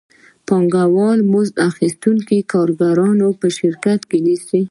پانګوال مزد اخیستونکي کارګران په شرکت کې نیسي